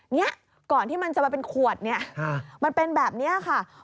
เนี่ยก่อนที่มันจะมาเป็นขวดเนี่ยมันเป็นแบบนี้ค่ะ